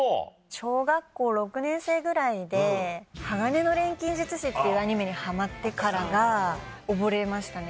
小学校６年生ぐらいで『鋼の錬金術師』っていうアニメにハマってからが溺れましたね